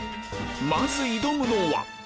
まず挑むのは